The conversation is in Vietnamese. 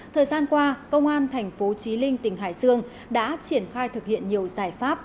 thời gian qua công an tp chí linh tỉnh hải dương đã triển khai thực hiện nhiều giải pháp